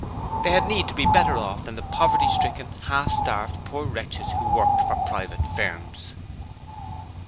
They had need to be better off than the poverty stricken, half starved poor wretches who worked for private firms.